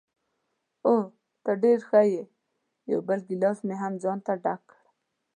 اوه، ته ډېره ښه یې، یو بل ګیلاس مې هم ځانته ډک کړ.